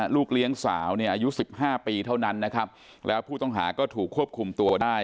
ลูกเลี้ยงสาวอายุ๑๕ปีเท่านั้นและผู้ต้องหาก็ถูกควบคุมตัวได้